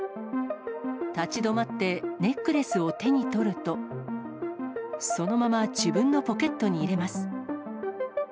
立ち止まってネックレスを手に取ると、そのまま自分のポケットに入れます。